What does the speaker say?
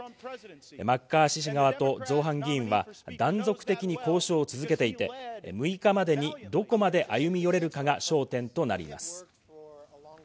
マッカーシー氏側と造反議員は断続的に交渉を続けていて、６日までにどこまで歩み寄れるかが焦点となります。